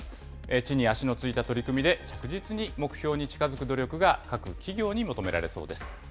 地に足のついた取り組みで着実に目標に近づく努力が各企業に求められそうです。